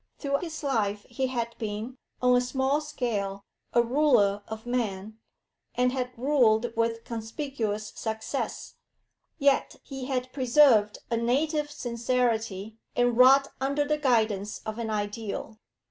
Through his life he had been, on a small scale, a ruler of men, and had ruled with conspicuous success, yet he had preserved a native sincerity and wrought under the guidance of an ideal.